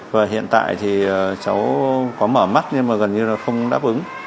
và hiện tại thì cháu có mở mắt nhưng mà gần như là không đáp ứng